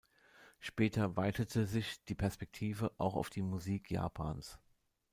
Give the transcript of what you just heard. Später weitete sich die Perspektive auch auf die Musik Japans.